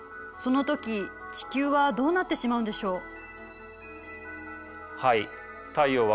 そのとき地球はどうなってしまうんでしょう？